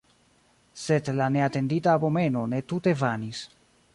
Sed la neatendita abomeno ne tute vanis.